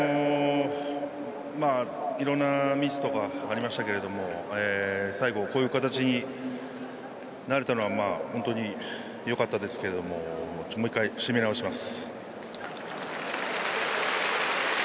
いろんなミスとかありましたけれども最後、こういう形になれたのは本当に良かったですけどももう１回、締め直します。